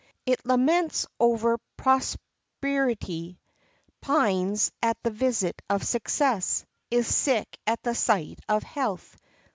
It laments over prosperity, pines at the visit of success, is sick at the sight of health.